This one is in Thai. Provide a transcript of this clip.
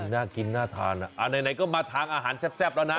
น่ากินน่าทานไหนก็มาทานอาหารแซ่บแล้วนะ